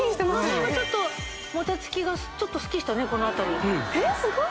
この辺がちょっともたつきがちょっとスッキリしたねこの辺りえっすごい！